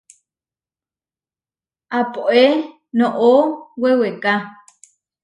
Aʼpóe noʼó weweká.